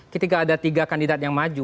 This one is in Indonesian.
ketika ada tiga kandidat yang maju